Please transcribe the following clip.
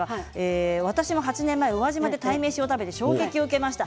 私も８年前宇和島で鯛めしを食べて衝撃を受けました。